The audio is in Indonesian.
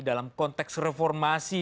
dalam konteks reformasi